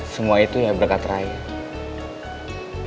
semua itu ya berkat raya